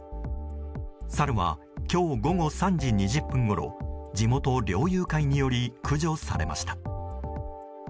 サルは今日午後３時２０分ごろ地元猟友会により駆除されました。